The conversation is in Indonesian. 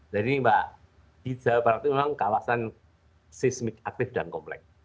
jadi mbak di jawa barat itu memang kawasan seismik aktif dan kompleks